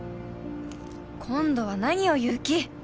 今度は何を言う気？